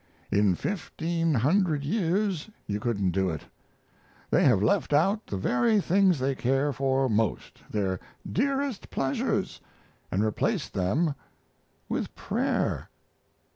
In fifteen hundred years you couldn't do it. They have left out the very things they care for most their dearest pleasures and replaced them with prayer!